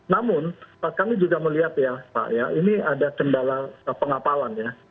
namun kami juga melihat ya pak ya ini ada kendala pengapalan ya